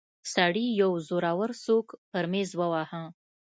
سړي يو زورور سوک پر ميز وواهه.